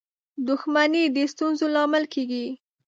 • دښمني د ستونزو لامل کېږي.